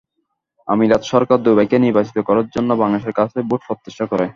আমিরাত সরকার দুবাইকে নির্বাচিত করার জন্য বাংলাদেশের কাছে ভোট প্রত্যাশা করে।